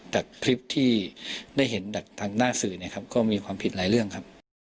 แต่คลิปที่ได้เห็นดังหน้าสื่อก็มีความผิดหลายเรื่องครับ